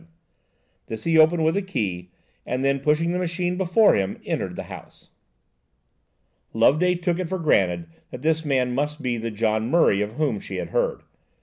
This he opened with a key, and then, pushing the machine before him, entered the house. Loveday took it for granted that this man must be the John Murray of whom she had heard.